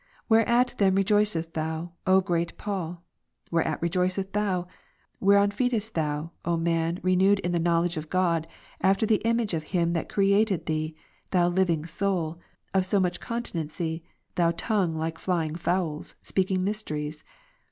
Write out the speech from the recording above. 40. Whereat then rejoicest thou, O great Paul ? whereat rejoicest thou? Avhereon feedest thou, O man, renewed in the knowledge of God, after the image of Him that created thee, thou living soul, of so much continency, thou tongue like flying fowls, speaking mysteries